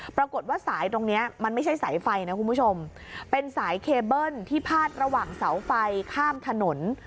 ปรากฏว่าสายตรงเนี้ยมันไม่ใช่สายไฟนะคุณผู้ชมเป็นสายเคเบิ้ลที่พาดระหว่างเสาไฟข้ามถนน